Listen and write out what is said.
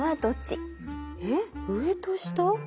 えっ上と下？